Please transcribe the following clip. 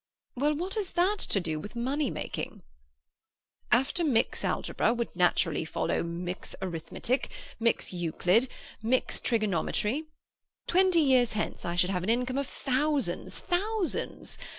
"Well, what has that to do with money making?" "After Mick's Algebra would follow naturally Mick's Arithmetic, Mick's Euclid, Mick's Trigonometry. Twenty years hence I should have an income of thousands—thousands!